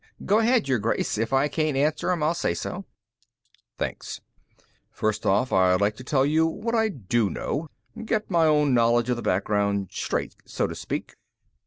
"Go ahead, Your Grace. If I can't answer 'em, I'll say so." "Thanks. First off, I'll tell you what I do know get my own knowledge of the background straight, so to speak.